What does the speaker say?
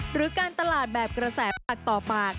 หรือการตลาดแบบกระแสปากต่อปาก